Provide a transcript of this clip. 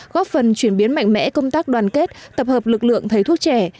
góp phần chuyển biến mạnh mẽ công tác đoàn kết tập hợp lực lượng thầy thuốc trẻ